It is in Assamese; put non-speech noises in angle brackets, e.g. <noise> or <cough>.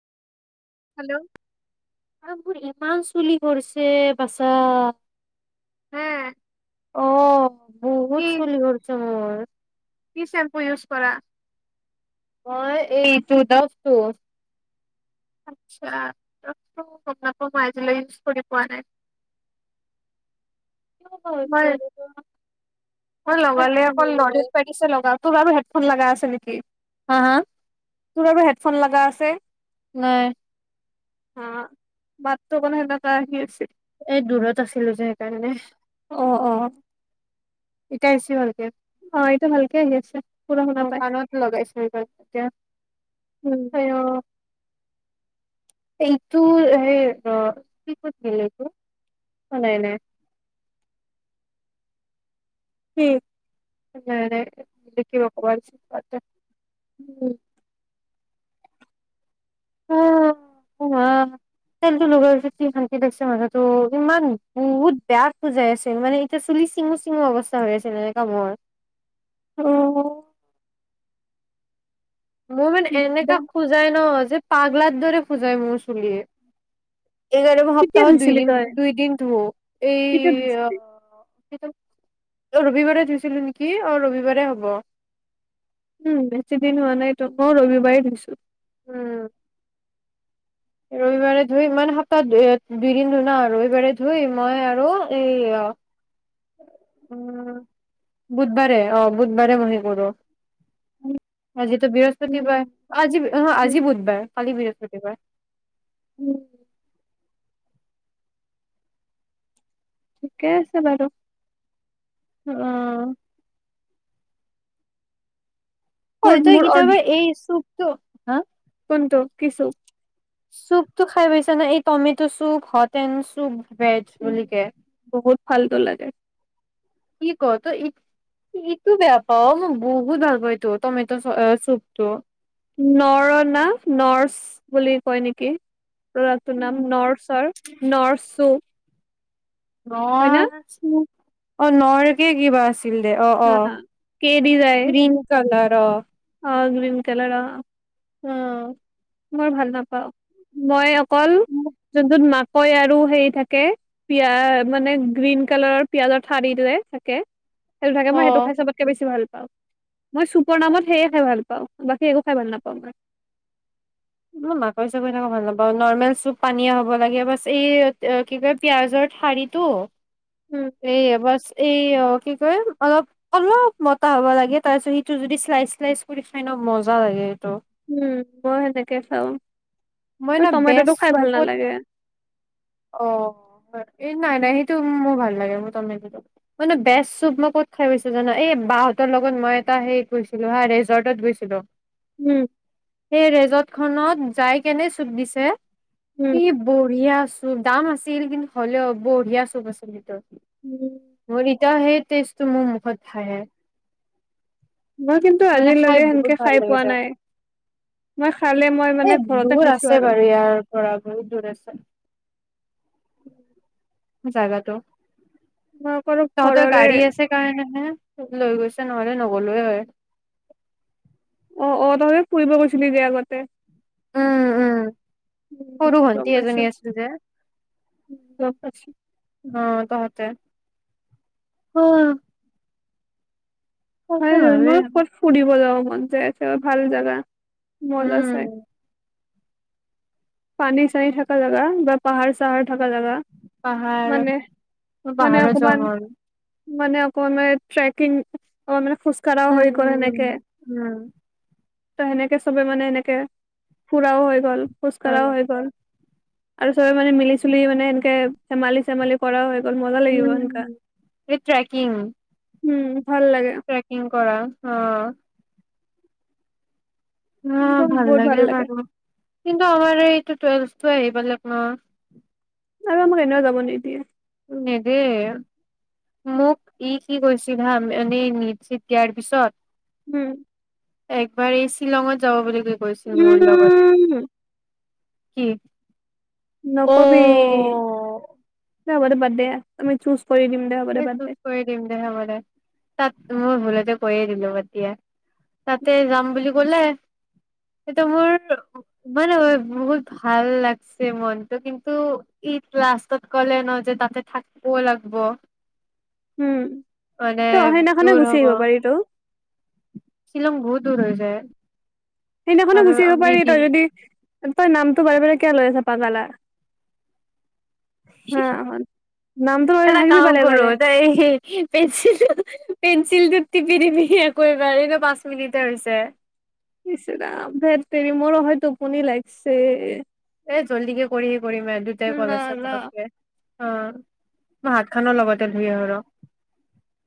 হেল্ল' আৰু মোৰ ইমান চুলি খৰিছে বাচা হা অ' বহুত চুলি খৰিছে মোৰ। টি শ্বেম্পু ইউজ কৰা? মই এটো দলটো। আচ্চা দভটো মই গম নাপাওঁ মই আজিলৈ ইউজ কৰি পোৱা নাই। ভালছে মই <unintelligible> মই লগালে অকল লৰিয়েল পেৰিছ‌য়ে লগাওঁ। তোৰ আৰু হেডফোন লগা আছিল নেকি? হা, হা? তোৰ আৰু হেডফোন লগা আছে? নাই। হা, মাতটো মানে সেনেুৱা আহি আছে। এই দূৰত আছিলো যে সেইকাৰণে। অ, অ। এতিয়া‌ এহিচি ভালকে? অ' এতিয়া ভালকে আহি আছে। পুৰা শুনা অ' পাই কাণত লগাইছ গ এতিয়া উম, ত, অ'। এইটো হেই কিতিল এইটো অ নাই নাই। উম। নেকব প <unintelligible> উম। অা তেলটো লগোৱাৰ পিছত কি শান্তি লাগিছে মাঠাতো ইমান বহুত বেয়া সোজাই আছিল মানে এতিয়া চুলি চিঙো চিঙো অৱস্থা হৈ আছিল এনেকা মৰ অ'। মোৰ মানে এনেকা দিগদাৰ খোজাই ন যে পাগলাৰ দৰে খোজাই মোৰ চুলি। এঘাৰ কেতিয়া সপ্তাহত ধুইছিলি দুইদিন তই দুই দিন ধো এই কেতিয়া ধুইছিলি অ' ৰবিবাৰে ধুইছিলো নেকি? অ' ৰবিবাৰে হ'ব। উম, বেছি দিন হোৱা নাইতো মই ৰবিবাৰেই ধুইছো। উম ৰবিবাৰে ধুই ইানে সপ্তাহ দুইদিন ধুনা ৰবিবাৰে ধুই মানে সাত তাত ধুই দুদিন ধু না ৰবিবাৰে ধুই মই আৰু এই অ উম বুধবাৰে অ বুধবাৰে মই সেই কৰো। আজিতো উম বৃহস্পতিবাৰে আজি অ' উম আজি বুধবাৰ কালি বৃহস্পতিবাৰ উম ঠিকে আছে বাৰু উমমম! অই মোৰ তই মোৰ অৰ্ডাৰ কিতাবা এই চুপ তু হা কোনটো কিছু চুপটো খাই পাইছা না? এই tomato soup hot and soup veg বুলি ক বহুত ফাল্টু লাগে। কি ক তই ই ইটো বেয়া পাৱ? মই বহুত ভাল পাওঁ এইটো টমেট চ অ চুপটো নৰ না নৰ্ছ বুলি কয় নেকি প্ৰডাকটোৰ নাম নৰচাৰ নৰচু নৰ চু অ নৰকে কিবা আছে দে অ অ হা কে দি যায় গ্ৰীন কালাৰ ৰ অ গ্ৰীন কালাৰ অ উম! মই ভাল নাপাও। মই অকল যোনটোত মাকৈ আৰু সেই থাকে পিয়া মানে গ্ৰীণ কালাৰৰ পিয়াজৰ ঠাৰিটোৰে থাকে সেইটো থাকে অ মই সেইটো খাই চবতকে বেছি ভাল পাওঁ। মই চুপৰ নামত সেয়ে খাই ভাল পাওঁ বাকী একো খাই ভাল নাপাওঁ মই। মই মাকৈ চাকৈ থাকা ভাল নাপাও নৰ্মেল চুপ পানীয়া হব লাগে বাচ এই কি কয় পিয়াজৰ ঠাৰিটো উম, সেয়া বছ এ ই কি অলপ অলপ মতা হ'ব লাগে তাৰ পিছত সিটো যদি শ্লাইচ শ্লাইচ কৰি খাই ন মজা লাগে এইটো উম মই সেনেকে খাওঁ। মই ন টমেটটো বেষ্ট খাই চুপ ভাল ক'ত নালাগে অ এই নাই নাই উম, সেইটো মোৰ ভাল লাগে অ মোৰ তম মানে বেচ চুপ মই ক'ত খাই পাইছো জানা এই বাহতৰ লগত মই এটা সেইত গৈছিলো হা ৰেজৰ্টত গৈছিলো উম! সেই ৰেজৰ্ট খনত যাই কেনে চুপ দিছে উম, কি বঢ়িয়া। উম দাম আছিল কিন্তু হ'লেও বঢ়িয়া চুপ আছিল ভিতৰত উম! এতিয়া সেই তেষ্ট টো মোৰ মুখত ভাহে মই কিন্তু মানে খাই আজিলকে বহুত সেনেকে ভাল খাই পোৱা লাগিছে। নাই মই খালে মই এ মানে ঘৰতে দূৰ খাইছো আছে আৰু বাৰু ইয়াৰ পৰা বহুত দূৰ আছে <unintelligible> জাগাটো। মই অকলো তহঁতৰ ঘৰৰে গাড়ী আছে, কাৰণেহে মোক লৈ গৈছে। ন'হলে নগ'লোঁয়েই হয় অ', অ', তহঁতে ফুৰিব গৈছিলি যে আগতে উম, উম। উম, সৰু গম ভণ্টি পাইছো, এজনী আছিল যে, উম, গম পাইছো। অ' তহঁতে অহ হয়, <unintelligible> ক'ত ফুৰিব যাম? মন যায়। আছে বা, ভাল জাগা মজা চাই উম পানী-চানী থাকা জেগা বা পাহাৰ-চাহাৰ থাকা জেগা পাহাৰ-পাহাৰৰ অকমান জংঘল মানে, আকৌ আমে ট্ৰেকিং। অ', মানে খোজকাঢ়াঁও উম হৈ গ'ল। উম সেনেকে উম উম ত', সেনেকে চবে, মানে, এনেকে ফুৰাও হৈ গ'ল। হয় কৰাও হৈ গ'ল। আৰু চবে, মানে, মিলি-জুলি, মানে, সেনকে ধেমালি-চেমালি কৰাও হৈ গ'ল মজা লাগিব উম, সেনকা ই ট্ৰেকিং উম। ভাল লাগে ট্ৰেকিং কৰা। অ, উম ভাল লাগে বাৰু। কিন্তু আমাৰ এই এইটো টুৱেলভটো আহি পালে লগ ন। আৰু আমাক এনেও যাব নিদিয়ে। নেদেই মোক ই কি কৈছিল হা, এনেই নিট চিট দিয়াৰ পিছত। উম। একবাৰেই শ্বিলঙত যাব বুলি কৈ। গৈছিল মোৰ লগত। উম কি? অ নকবি। <unintelligible> বাদ দে। কৰি দিম দে হ'ব দে এই বাদ চুজ দে কৰি দিম দে হব দে তাত মোৰ ভুলতে <unintelligible> বাদ দিয়া। তাতে যাম বুলি ক'লে। সেইটো মোৰ মানে বহুত ভাল লাগছে, মনটো কিন্তু, ই লাষ্টত ক'লে ন যে তাতে থাকিবও লাগব। উম মানে ত সেইদিনাখনে গুচি আহিব পাৰি তো। চিলংগ বহুত দুৰ হয় যা সেইদিনাখনো গুচি আহিব পাৰি, তই যদি তই নামটো বাৰে বাৰে কিয় লৈ আছা পাগালা হা নামটো লৈ এটা নাথাকিবি কাম বাৰে কৰো বাৰে তাই পেঞ্চিল প ছিলটোত টিপি টিপি আৌ এবাৰ এই পাঁচ মিনিট হৈছে। ইচ ৰাম ধেতটেৰী মোৰ অহায় টোপনি লাগিছে। জল্দি কে কৰি কৰিমে দুটাই লা কল আছে লা পলকে অ মই হাত খনৰ লগতে ধুই আহো ৰ